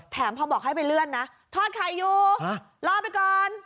แถมพอบอกให้ไปเลื่อนนะทอดไข่อยู่รอไปก่อน